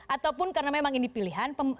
ataupun karena memang ini pilihan